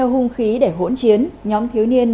có khung khí để hỗn chiến nhóm thiếu niên